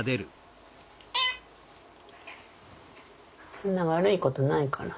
そんな悪いことないから。